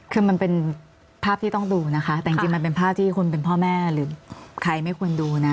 คือมันเป็นภาพที่ต้องดูนะคะแต่จริงมันเป็นภาพที่คนเป็นพ่อแม่หรือใครไม่ควรดูนะ